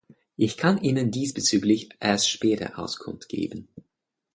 Ich kann Ihnen diesbezüglich erst später Auskunft geben.